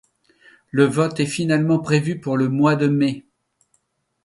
Le vote est finalement prévu pour le mois de mai.